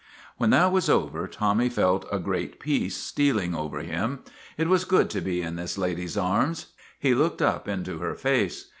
When that was over, Tommy felt a great peace stealing over him. It was good to be in this lady's arms. He looked up into her face.